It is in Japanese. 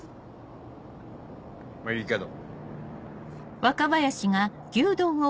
まぁいいけど。